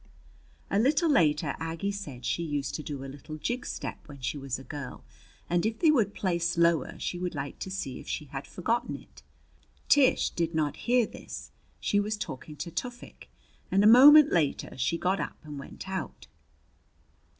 A little later Aggie said she used to do a little jig step when she was a girl, and if they would play slower she would like to see if she had forgotten it. Tish did not hear this she was talking to Tufik, and a moment later she got up and went out.